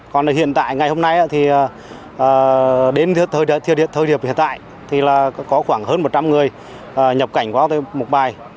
còn hiện tại ngày hôm nay thì đến thời điểm hiện tại thì có khoảng hơn một trăm linh người nhập cảnh quá cờ khẩu tới một bài